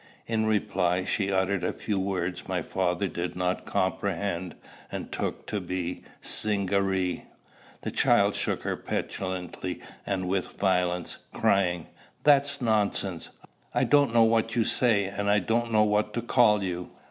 In reply, she uttered a few words my father did not comprehend, and took to be Zingaree. The child shook her petulantly and with violence, crying, "That's nonsense. I don't know what you say, and I don't know what to call you."